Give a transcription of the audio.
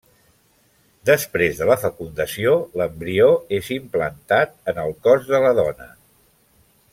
Després de la fecundació, l'embrió és implantat en el cos de la dona.